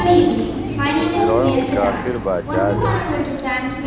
فِرعون کافر باچا دےۡ۔